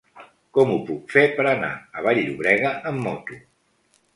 Com ho puc fer per anar a Vall-llobrega amb moto?